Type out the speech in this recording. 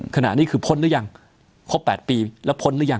ขณะนี้คือพ้นหรือยังครบ๘ปีแล้วพ้นหรือยัง